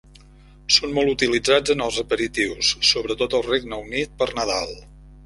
Són molt utilitzats en els aperitius, sobretot al Regne Unit per Nadal.